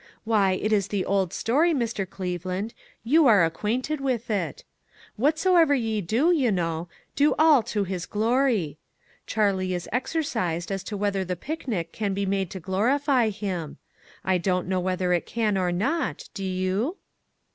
Why, it is the old story, Mr. Cleveland, you are acquainted with it, ' Whatsoever ye do,' you know, ' do all to His glory.' Charlie is exercised as to whether the picnic can be made to glorify Him. I don't know whether it can or not, do you?"